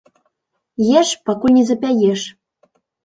Еш, пакуль не запяеш.